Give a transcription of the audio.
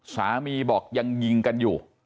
สามีบอกยังยิงกันอยู่